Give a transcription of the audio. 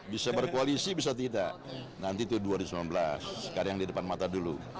bisa berkoalisi bisa tidak nanti itu dua ribu sembilan belas sekarang yang di depan mata dulu